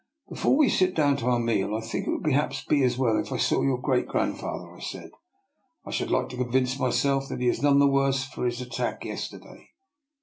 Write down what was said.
" Before we sit down to our meal I think it would perhaps be as well if I saw your great grandfather," I said. " I should like to convince myself that he is none the worse for his attack yesterday."